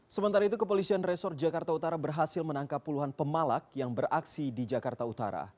sementara itu kepolisian resor jakarta utara berhasil menangkap puluhan pemalak yang beraksi di jakarta utara